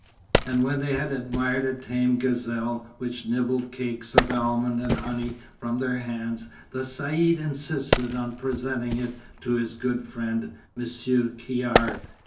And when they had admired a tame gazelle which nibbled cakes of almond and honey from their hands, the Caïd insisted on presenting it to his good friend, Monsieur Caird.